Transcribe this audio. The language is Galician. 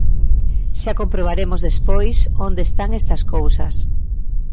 Xa comprobaremos despois onde están estas cousas.